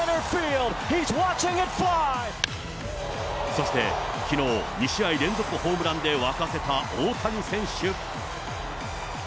そしてきのう、２試合連続ホームランで沸かせた大谷選手。